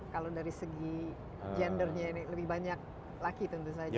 kalau dari segi gendernya ini lebih banyak laki tentu saja